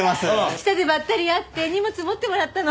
下でばったり会って荷物持ってもらったの。